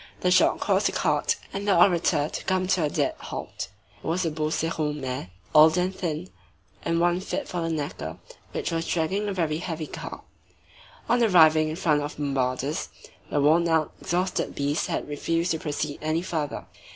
The shock caused the cart and the orator to come to a dead halt. It was a Beauceron mare, old and thin, and one fit for the knacker, which was dragging a very heavy cart. On arriving in front of Bombarda's, the worn out, exhausted beast had refused to proceed any further.